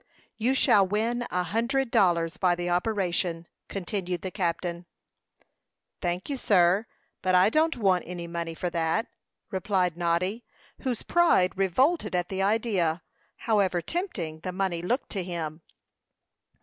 "You shall win a hundred dollars by the operation," continued the captain. "Thank you, sir, but I don't want any money for that," replied Noddy, whose pride revolted at the idea, however tempting the money looked to him.